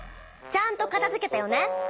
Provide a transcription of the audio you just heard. ちゃんとかたづけてよね。